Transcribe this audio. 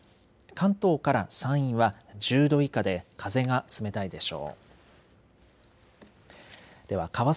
関東から山陰は１０度以下で風が冷たいでしょう。